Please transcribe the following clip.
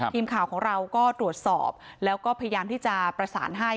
ทีมข่าวของเราก็ตรวจสอบแล้วก็พยายามที่จะประสานให้